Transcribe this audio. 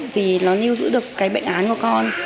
vì nó lưu giữ được cái bệnh án của con